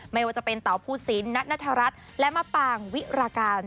ไม่ว่าจะเป็นเตาผู้ศิลป์นัทนัทรัศน์และมะปางวิราการ